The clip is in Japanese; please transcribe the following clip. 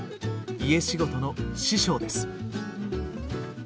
家仕事の師匠です。